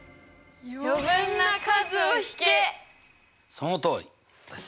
そのとおりです！